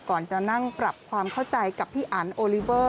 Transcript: ก่อนจะนั่งปรับความเข้าใจกับพี่อันโอลิเวอร์